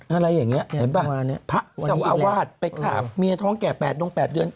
อะไรอย่างนี้เห็นป่ะพระเจ้าอาวาสไปฆ่าเมียท้องแก่๘ดง๘เดือน